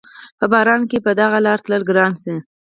په باران کښې په دغه لاره تلل ګران شي